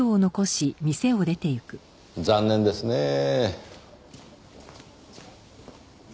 残念ですねぇ。